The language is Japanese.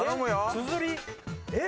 つづりえっ⁉